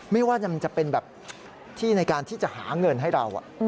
ไม่ว่ามันจะเป็นแบบที่ในการที่จะหาเงินให้เรา